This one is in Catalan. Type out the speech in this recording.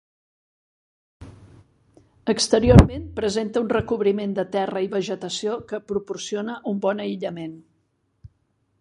Exteriorment presenta un recobriment de terra i vegetació que proporciona un bon aïllament.